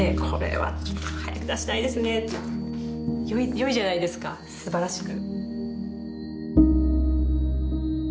良いじゃないですかすばらしく。